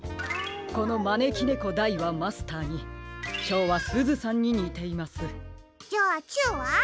このまねきねこ・大はマスターに小はすずさんににています。じゃあ中は？